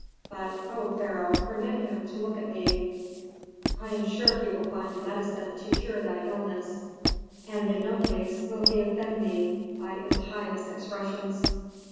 But, O Pharaoh, permit him to look at thee. I am sure that he will find a medicine to cure thy illness, and in no case will he offend thee by impious expressions."